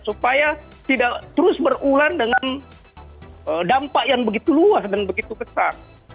supaya tidak terus berulang dengan dampak yang begitu luas dan begitu besar